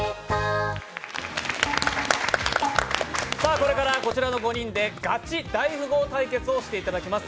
これからこちらの５人でガチ大富豪対決をしていただきます。